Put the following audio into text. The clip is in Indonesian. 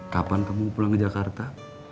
kapan kamu pulang ke jakarta